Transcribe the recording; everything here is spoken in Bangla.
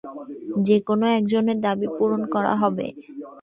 যেকোনো একজনের দাবি পূরণ করা হবে।